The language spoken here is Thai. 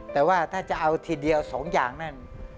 แต่ว่าถ้าจะเอาทีเดียว๒อย่างนั่น